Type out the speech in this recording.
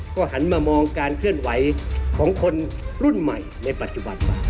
ก็หันมามองการเคลื่อนไหวของคนรุ่นใหม่ในปัจจุบันว่า